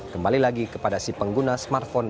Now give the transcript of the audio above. kembali lagi kepada si pengguna smartphone